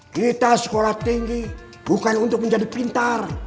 kita sekolah tinggi bukan untuk menjadi pintar